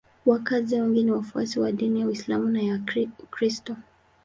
Wakazi wengi ni wafuasi wa dini ya Uislamu na ya Ukristo.